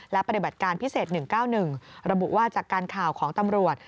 และปฏิบัติการพิเศษ๑๙๑ระบุว่าจากการข่าวของตำรวจ